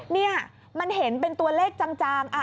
นี่มันเห็นเป็นตัวเลขจาง